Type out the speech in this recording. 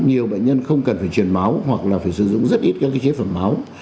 nhiều bệnh nhân không cần phải chuyển máu hoặc là phải sử dụng rất ít các chế phẩm máu